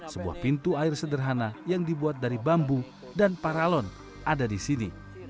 sebuah pintu air sederhana yang dibuat dari bambu dan paralon ada di sini